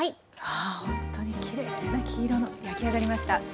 ほんとにきれいな黄色の焼き上がりました。